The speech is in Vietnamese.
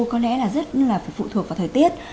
có lẽ là rất là phụ thuộc vào thời tiết